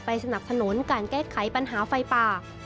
สนับสนุนการแก้ไขปัญหาไฟป่า